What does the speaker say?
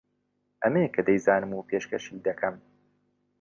ئەمەیە کە دەیزانم و پێشکەشی دەکەم